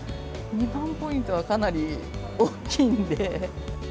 ２万ポイントはかなり大きいんで。